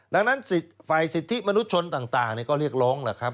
ดังนั้นฝ่ายสิทธิมนุษยชนต่างก็เรียกร้องแหละครับ